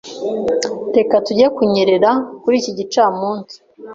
Reka tujye kunyerera kuri iki gicamunsi.